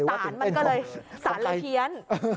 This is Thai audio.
สารมันก็เลยสารเขียน